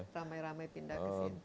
ramai ramai pindah ke sini